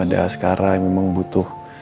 ada ascara yang memang butuh